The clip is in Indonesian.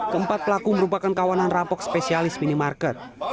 keempat pelaku merupakan kawanan rapok spesialis minimarket